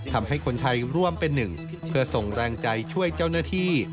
ทำให้คนไทยร่วมเป็นหนึ่งเพื่อส่งแรงใจช่วยเจ้าหน้าที่